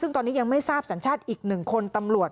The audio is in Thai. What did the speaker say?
ซึ่งตอนนี้ยังไม่ทราบสัญชาติอีก๑คนตำรวจ